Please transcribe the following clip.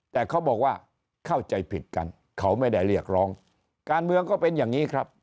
แต่เขาบอกว่าเข้าใจผิดกันเขาไม่ได้เรียกร้องการเมืองก็เป็นอย่างนี้ครับ